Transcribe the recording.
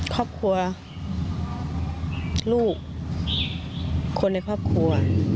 ครอบครัวลูกคนในครอบครัว